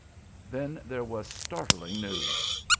Then there was startling news!